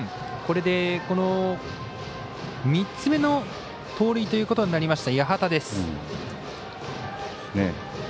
これで３つ目の盗塁ということになりました、八幡です。